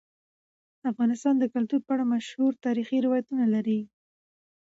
افغانستان د کلتور په اړه مشهور تاریخی روایتونه لري.